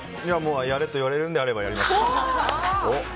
やれと言われるんであればやりますよ。